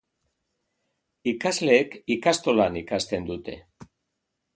Ikasleek ikastolan ikasten dute.